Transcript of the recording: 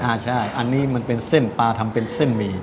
ใช่อันนี้มันเป็นเส้นปลาทำเป็นเส้นหมี่